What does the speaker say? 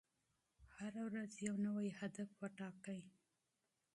هره ورځ یو نوی هدف وټاکئ.